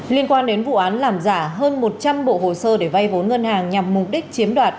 liên quan đến vụ án làm giả hơn một trăm linh bộ hồ sơ để vay vốn ngân hàng nhằm mục đích chiếm đoạt